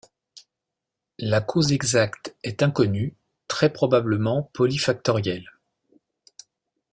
La cause exacte est inconnue, très probablement polyfactorielle.